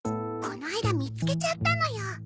この間見つけちゃったのよ。